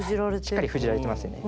しっかり封じられてますよね。